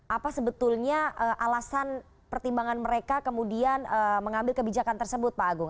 apa sebetulnya alasan pertimbangan mereka kemudian mengambil kebijakan tersebut pak agung